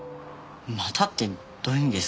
「また」ってどういう意味ですか？